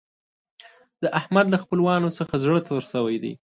د احمد له خپلوانو څخه زړه تور شوی دی.